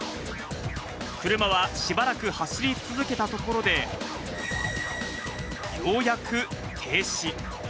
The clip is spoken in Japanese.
車はしばらく走り続けたところで、ようやく停止。